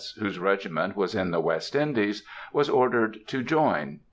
whose regiment was in the West Indies, was ordered to join.